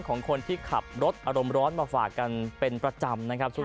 ของคนที่ขับรถอารมณ์ร้อนมาฝากกันเป็นประจำนะครับ